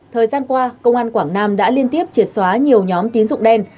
thời gian qua công an quảng nam đã liên tiếp triệt xóa nhiều nhóm tín dụng đen